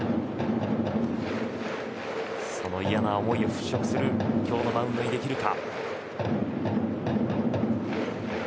その嫌な思いを払しょくする今日のマウンドにできるか。